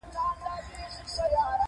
هوښیار خلک خپل اشتباهات مني.